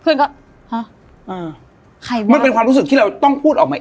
เพื่อนก็ฮะอ่าใครบ้างมันเป็นความรู้สึกที่เราต้องพูดออกมาอีก